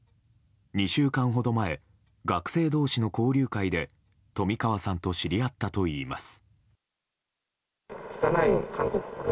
２週間ほど前学生同士の交流会で冨川さんと知り合ったといいます。